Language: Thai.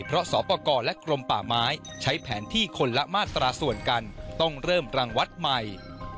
เพราะสอปกรและกรมป่าไม้ใช้แผนที่คนละมาตราส่วนกันต้องเริ่มรังวัดใหม่